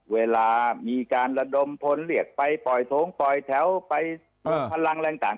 เวลามีการระดมพลเรียกไปปล่อยโถงปล่อยแถวไปเพิ่มพลังอะไรต่าง